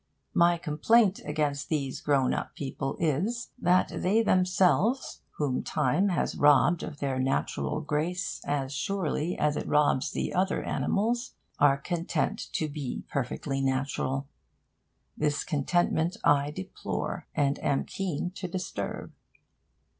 My complaint against these grown up people is, that they themselves, whom time has robbed of their natural grace as surely as it robs the other animals, are content to be perfectly natural. This contentment I deplore, and am keen to disturb.